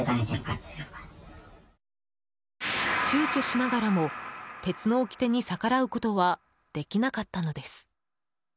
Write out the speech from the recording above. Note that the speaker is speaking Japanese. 躊躇しながらも、鉄の掟に逆らうことはできなかったのです。